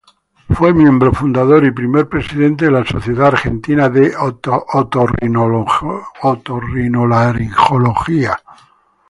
Fue miembro fundador y primer presidente de la Sociedad Argentina de Otorrinolaringología.